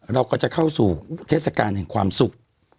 เราก็จะเข้าสู่เทศกาลแห่งความสุข